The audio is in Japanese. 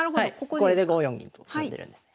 これで５四銀と進んでるんです。